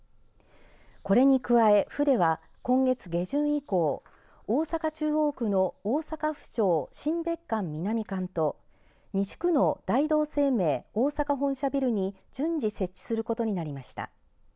これに加え府では今月下旬以降大阪中央区の大阪府庁新別館南館と西区の大同生命大阪本社ビルに順次設置することになりました。